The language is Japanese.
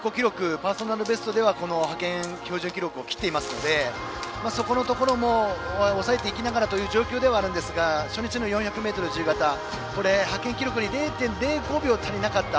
パーソナルベストでは派遣標準記録を切っていますのでそこのところを抑えていきながらという状況ではあるんですが初日の４００ｍ自由形は派遣記録に０．０５秒足りなかった。